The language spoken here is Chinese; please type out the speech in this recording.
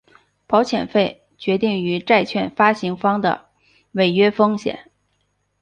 保险费决定于债券发行方的违约风险。